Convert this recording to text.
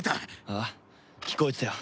ああ聞こえてたよ。